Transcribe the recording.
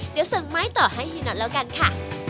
เดี๋ยวเสิร์มไมค์ต่อให้ฮินนทร์แล้วกันค่ะ